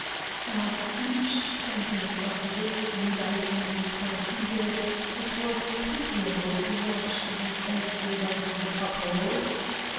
As each sentence of this indictment proceeded it was pitiable to watch the faces of the couple.